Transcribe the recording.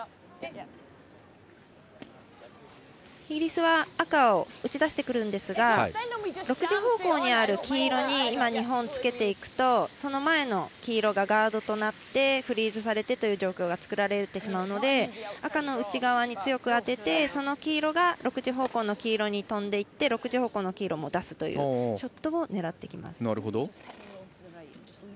イギリスは赤を打ち出してくるんですが６時方向にある黄色に今、日本がつけていくとその前の黄色がガードとなってフリーズされてという状況が作られてしまうので赤の内側に強く当ててその黄色が６時方向の黄色に飛んでいって６時方向の黄色も出すショットを狙ってきます。